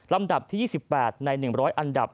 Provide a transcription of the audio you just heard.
ลำดับที่๒๘ใน๑๐๐อันดับ